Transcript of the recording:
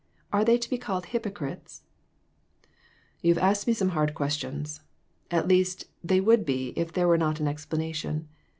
Are they to be called hypocrites ?" "You have asked me some hard questions. At least, they would be, if there were not an explanation.